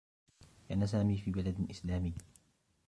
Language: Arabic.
كان سامي في بلد إسلامي.